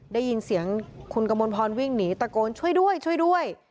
ได้ยินเสียงคุณกมลพรวิ่งหนีตะโกนช่วยด้วยช่วยด้วย